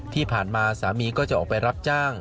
ที่ผ่านมาสามีก็จะออกไปรับจ้าง